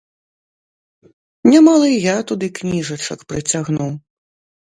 Нямала і я туды кніжачак прыцягнуў.